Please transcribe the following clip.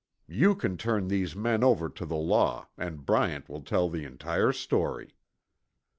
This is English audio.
You can turn these men over to the law, and Bryant will tell the entire story."